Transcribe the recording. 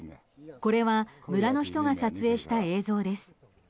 これは村の人が撮影した映像です。